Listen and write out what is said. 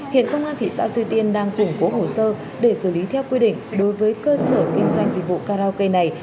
hiện công an thị xã duy tiên đang củng cố hồ sơ để xử lý theo quy định đối với cơ sở kinh doanh dịch vụ karaoke này